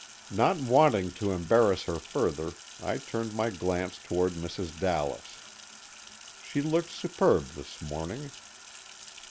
Not wanting to embarrass her further I turned my glance toward Mrs. Dallas. She looked superb this morning.